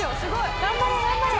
頑張れ頑張れ。